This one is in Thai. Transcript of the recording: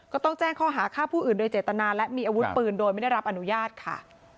ก็ต้องแจ้งข้อหาฆ่าผู้อื่นโดยเจตนาและมีอาวุธปืนโดยไม่ได้รับอนุญาตค่ะ